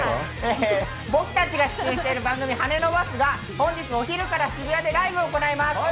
僕たちが出演している番組、ハネノバスが、本日のお昼から渋谷でライブを行います。